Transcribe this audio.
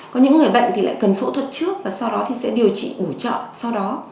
có những người bệnh thì lại cần phẫu thuật trước và sau đó thì sẽ điều trị bổ trợ sau đó